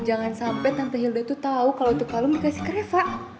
jangan sampai tante hilda tuh tau kalau itu kalung dikasih ke reva